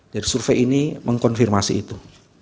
jadi survei ini mengkonfirmasi itu